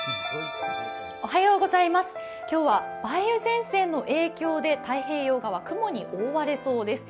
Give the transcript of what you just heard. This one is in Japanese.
今日は梅雨前線の影響で太平洋側、雲に覆われそうです。